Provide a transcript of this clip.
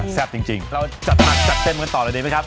แซ่บจริงเราจัดหนักจัดเต็มกันต่อเลยดีไหมครับ